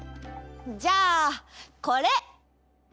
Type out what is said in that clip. じゃあこれ。